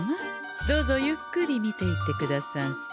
どうぞゆっくり見ていってくださんせ。